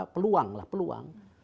peluang lah peluang